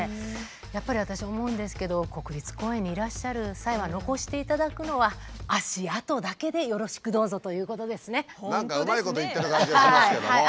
やっぱり私思うんですけど国立公園にいらっしゃる際は残していただくのは何かうまいこと言ってる感じがしますけども。